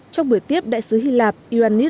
trong buổi tiếp đại sứ hy lạp ioannis raptakis